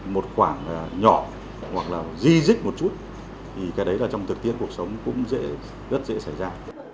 một khoảng nhỏ hoặc là di dích một chút thì cái đấy là trong thực tiễn cuộc sống cũng sẽ rất dễ xảy ra